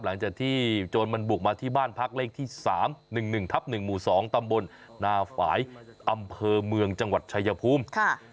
หลังจากที่โจรมันบุกมาที่บ้านพักเลขที่๓๑๑ทับ๑หมู่๒ตำบลนาฝ่ายอำเภอเมืองจังหวัดชายภูมิ